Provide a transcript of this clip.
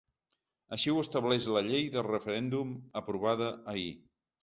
Així ho estableix la llei del referèndum aprovada ahir.